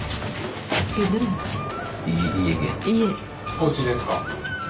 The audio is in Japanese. おうちですか。